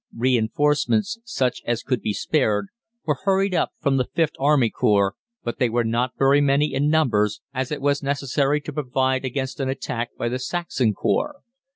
Reinforcements such as could be spared were hurried up from the Vth Army Corps, but they were not very many in numbers, as it was necessary to provide against an attack by the Saxon Corps.